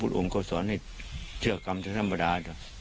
พระพุทธอ่องโคตรสอนให้เท่ากรรมถ้าง้ำบรรดา